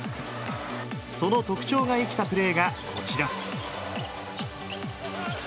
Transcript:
その特徴が生きたプレーがこちら。